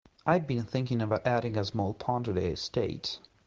I'd been thinking of adding a small pond to the estate.